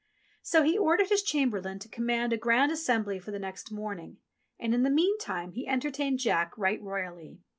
So he ordered his chamberlain to command a Grand Assembly for the next morning, and in the meantime he entertained Jack right royally.